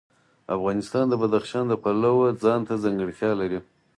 افغانستان د بدخشان د پلوه ځانته ځانګړتیا لري.